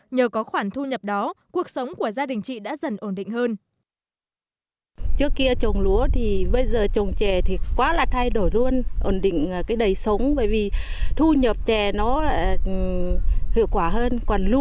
nhờ có khoản thu nhập đó cuộc sống của gia đình chị đã dần ổn định hơn